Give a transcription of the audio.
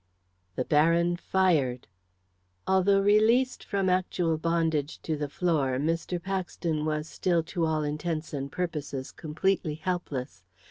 The Baron fired. Although released from actual bondage to the floor, Mr. Paxton was still, to all intents and purposes, completely helpless.